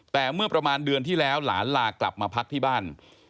แต่เมื่อประมาณเดือนที่แล้วหลานลากลับมาพักที่บ้าน